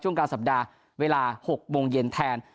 กลางสัปดาห์เวลา๖โมงเย็นแทน